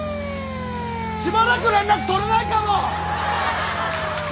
しばらく連絡取れないかも。